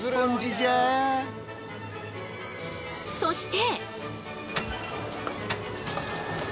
そして。